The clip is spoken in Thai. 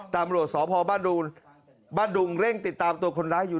ตำรวจสพบ้านดุงเร่งติดตามตัวคนร้ายอยู่